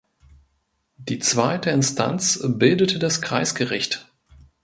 Die Zweite Instanz bildete das Kreisgericht.